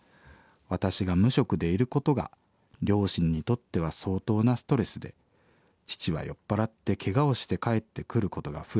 私が無職でいることが両親にとっては相当なストレスで父は酔っ払ってケガをして帰ってくることが増え